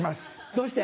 どうして？